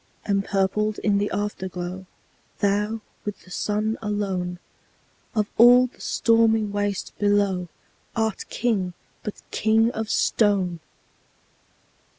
Empurpled in the Afterglow, Thou, with the Sun alone, Of all the stormy waste below, Art King, but king of stone!